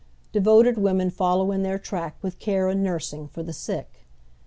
Devoted women follow in their track with care and nnrsing for the sick.